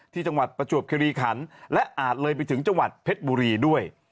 จังหวัดประจวบคิริขันและอาจเลยไปถึงจังหวัดเพชรบุรีด้วย